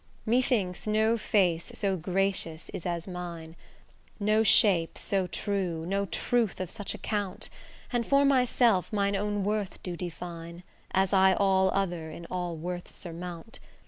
Methinks no face so gracious is as mine, No shape so true, no truth of such account; And for myself mine own worth do define, As I all other in all worths surmount.